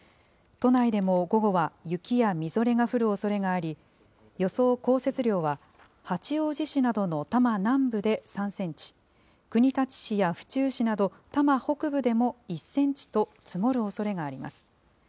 都内でも午後は、雪やみぞれが降るおそれがあり、予想降雪量は八王子市などの多摩南部で３センチ、国立市や府中市など、多摩北部でも１センチと、積もるおそれがあります。